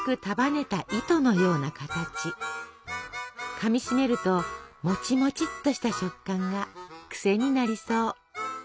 かみしめるともちもちっとした食感が癖になりそう！